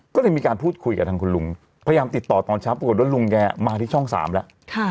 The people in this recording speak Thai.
ก็เลยมีการพูดคุยกับทางคุณลุงพยายามติดต่อตอนเช้าปรากฏว่าลุงแกมาที่ช่อง๓แล้ว